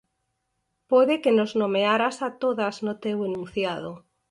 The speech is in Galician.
Pode que nos nomearas a todas no teu enunciado.